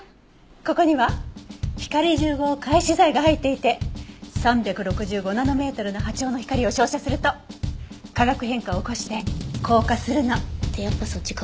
ここには光重合開始剤が入っていて３６５ナノメートルの波長の光を照射すると化学変化を起こして硬化するの。ってやっぱそっちか。